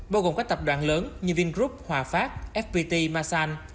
bao gồm các tập đoàn lớn như vingroup hòa pháp fpt massan